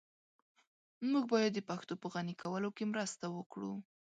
موږ بايد د پښتو په غني کولو کي مرسته وکړو.